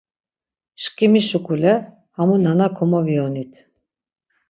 Şǩimi şuǩule hamu nana komoviyonit.